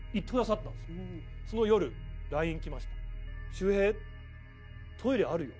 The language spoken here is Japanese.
「秀平トイレあるよ」